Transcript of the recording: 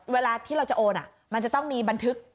เวลาที่เราจะโอนมันจะต้องมีบันทึก